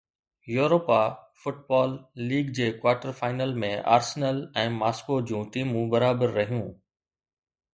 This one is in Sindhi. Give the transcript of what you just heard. يوروپا فٽبال ليگ جي ڪوارٽر فائنل ۾ آرسنل ۽ ماسڪو جون ٽيمون برابر رهيون